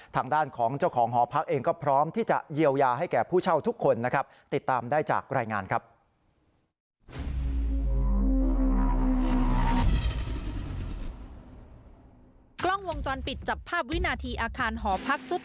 ทางด้านของเจ้าของหอพักเองก็พร้อมที่จะเยียวยาให้แก่ผู้เช่าทุกคนนะครับ